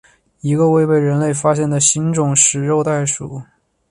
一个未被人类发现的新种食肉袋鼠。